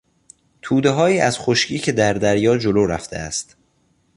تودههایی از خشکی که در دریا جلو رفته است